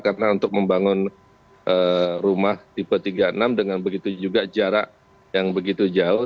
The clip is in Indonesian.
karena untuk membangun rumah tipe tiga puluh enam dengan begitu juga jarak yang begitu jauh